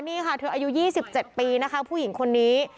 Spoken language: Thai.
นี่ค่ะเธออายุ๒๗ปีนะคะผู้หญิงคนนี้